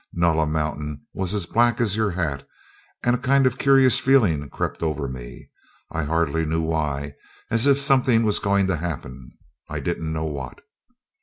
Nulla Mountain was as black as your hat, and a kind of curious feeling crept over me, I hardly knew why, as if something was going to happen, I didn't know what.